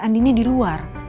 andinnya di luar